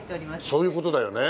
そういう事だよね。